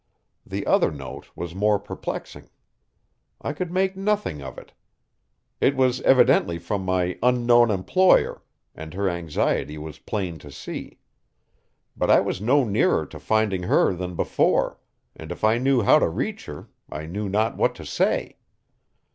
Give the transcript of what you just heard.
The other note was more perplexing. I could make nothing of it. It was evidently from my unknown employer, and her anxiety was plain to see. But I was no nearer to finding her than before, and if I knew how to reach her I knew not what to say.